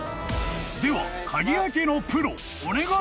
［では鍵開けのプロお願いします］